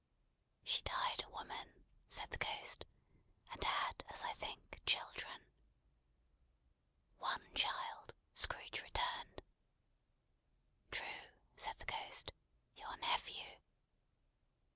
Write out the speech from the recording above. "She died a woman," said the Ghost, "and had, as I think, children." "One child," Scrooge returned. "True," said the Ghost. "Your nephew!"